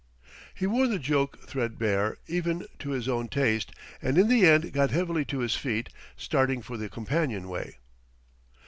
He wore the joke threadbare, even to his own taste, and in the end got heavily to his feet, starting for the companionway.